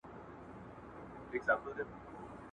د کتاب د سرپاڼې له سمولو وروسته په هغې کي پټ لاسلیک پیداسو.